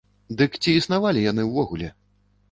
Дык ці існавалі яны ўвогуле?